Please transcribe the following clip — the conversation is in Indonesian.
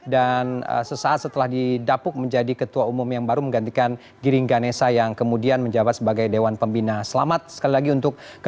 wassalamu'alaikum warahmatullahi wabarakatuh